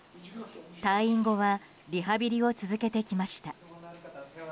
退院後はリハビリを続けてきました。